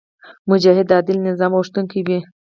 مجاهد د عادل نظام غوښتونکی وي.